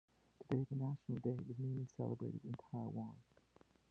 Today the National Day is mainly celebrated in Taiwan.